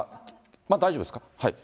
まだ大丈夫ですか。